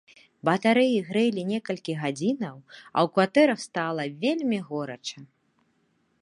Батарэі грэлі некалькі гадзінаў, а ў кватэрах стала вельмі горача.